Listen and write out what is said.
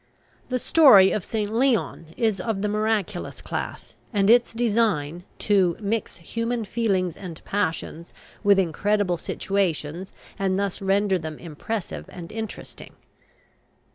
The story of St. Leon is of the miraculous class; and its design, to "mix human feelings and passions with incredible situations, and thus render them impressive and interesting."